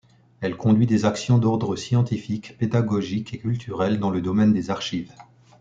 Elle conduit des actions d'ordre scientifique, pédagogique et culturel dans le domaine des archives.